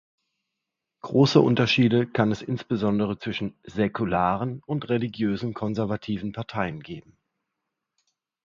Große Unterschiede kann es insbesondere zwischen säkularen und religiösen konservativen Parteien geben.